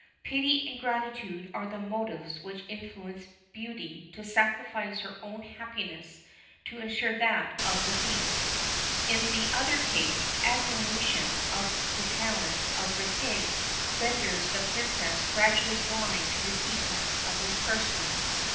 Pity and gratitude are the motives which influence Beauty to sacrifice her own happiness to ensure that of the Beast. In the other case, admiration of the talent of Riquet renders the Princess gradually blind to the defects of his person.